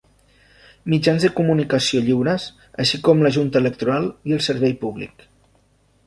Mitjans de comunicació lliures, així com la junta electoral i el servei públic.